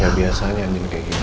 ya biasanya anjing kayak gini